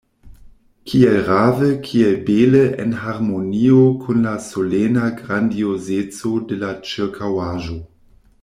Kiel rave, kiel bele en harmonio kun la solena grandiozeco de la ĉirkaŭaĵo!